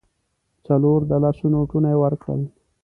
څلور د لسو نوټونه یې ورکړل.